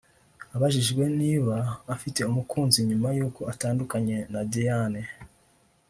Abajijwe niba afite umukunzi nyuma y’uko atandukanye na Diane